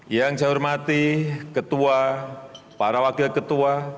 yang saya hormati ketua para wakil ketua